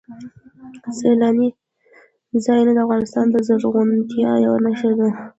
سیلاني ځایونه د افغانستان د زرغونتیا یوه نښه ده.